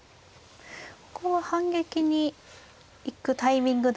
ここは反撃に行くタイミングなんですか。